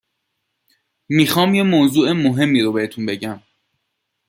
میخوام یه موضوع مهمی رو بهتون بگم.